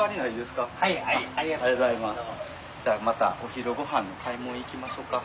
じゃあまたお昼ごはん買い物行きましょか。